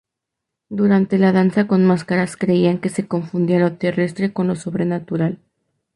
Durante la danza con máscaras creían que se confundía lo terrestre con lo sobrenatural.